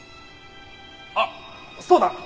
あっそうだ！